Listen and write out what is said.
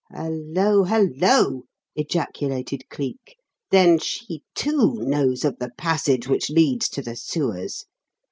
"Hullo! Hullo!" ejaculated Cleek. "Then she, too; knows of the passage which leads to the sewers.